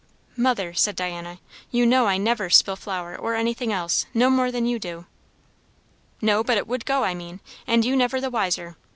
"Mother," said Diana, "you know I never spill flour or anything else; no more than you do." "No, but it would go, I mean, and you never the wiser.